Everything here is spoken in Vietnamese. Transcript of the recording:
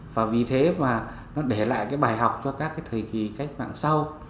và vì thế mà nó để lại bài học cho các thời kỳ cách mạng sau